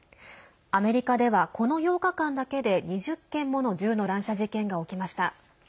アメリカではこの８日間だけで２０件もの銃の乱射事件が起きました。